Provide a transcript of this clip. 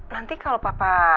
nanti kalau papa